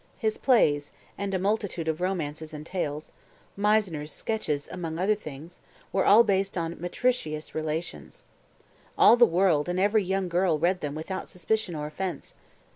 His plays...and a multitude of romances and tales (Meissner's sketches among other things) were all based on meretricious relations. All the world and every young girl read them without suspicion or offence.